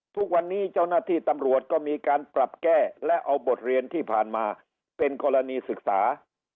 ทุกวันนี้เจ้าหน้าที่ตำรวจก็มีการปรับแก้และเอาบทเรียนที่ผ่านมาเป็นกรณีศึกษา